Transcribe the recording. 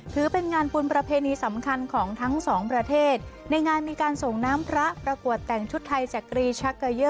ถือเป็นงานบุญประเพณีสำคัญของทั้งสองประเทศในงานมีการส่งน้ำพระประกวดแต่งชุดไทยจักรีชักเกยอร์